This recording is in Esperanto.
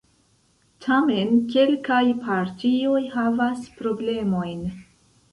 Tamen kelkaj partioj havas problemojn.